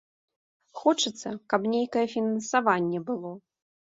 Хочацца, каб нейкае фінансаванне было.